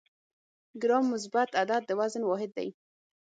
ګرام مثبت عدد د وزن واحد دی.